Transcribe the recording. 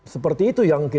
seperti itu yang kita